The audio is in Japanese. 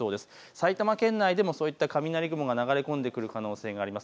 埼玉県内でもそういった雷雲が流れ込んでくる可能性があります。